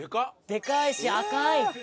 でかいし赤い！